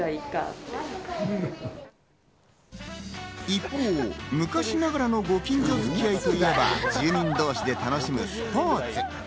一方、昔ながらのご近所付き合いといえば、住民同士で楽しむスポーツ。